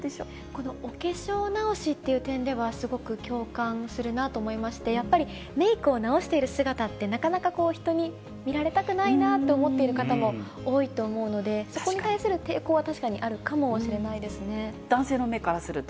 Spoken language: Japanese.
このお化粧直しっていう点では、すごく共感するなと思いまして、やっぱり、メークを直している姿って、なかなか人に見られたくないなって思ってる方も多いと思うので、そこに対する抵抗は確かにあるか男性の目からすると？